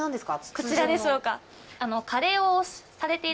こちらでしょうか。